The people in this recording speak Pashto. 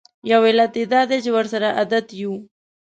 یو علت یې دا دی چې ورسره عادت یوو.